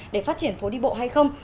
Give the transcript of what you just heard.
để phát triển phố đi bộ hay không